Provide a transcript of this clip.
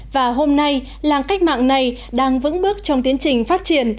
và hôm nay làng cách mạng này đang vững bước trong tiến trình phát triển